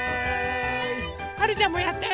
はるちゃんもやって。